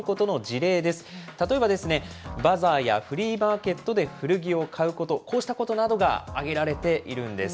例えば、バザーやフリーマーケットで古着を買うこと、こうしたことなどが挙げられているんです。